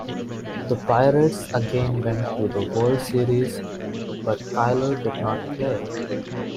The Pirates again went to the World Series, but Cuyler did not play.